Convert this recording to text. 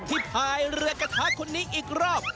พายเรือกระทะคนนี้อีกรอบ